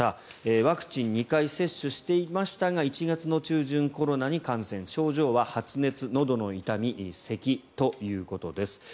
ワクチン２回接種していましたが１月中旬、コロナに感染症状は発熱、のどの痛みせきということです。